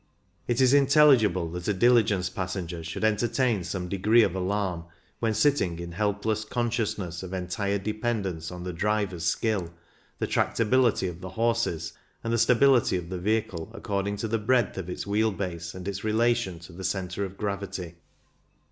It is intelligible that a diligence passenger should entertain some degree of alarm, when sitting in helpless conscious ness of entire dependence on the driver's skill, the tractability of the horses, and the stability of the vehicle according to the breadth of its wheel base and its relation to the centre of gravity.